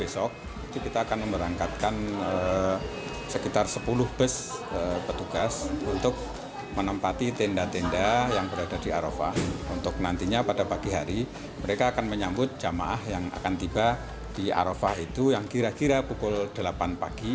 jemaah di arafah itu yang kira kira pukul delapan pagi